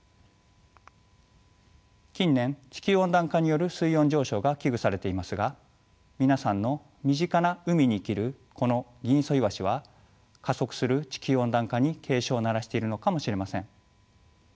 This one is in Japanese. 近年地球温暖化による水温上昇が危惧されていますが皆さんの身近な海に生きるこのギンイソイワシは加速する地球温暖化に警鐘を鳴らしているのかもしれません。